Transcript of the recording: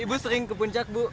ibu sering ke puncak bu